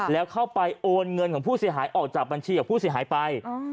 แล้วเข้าไปโอนเงินของผู้เสียหายออกจากบัญชีกับผู้เสียหายไป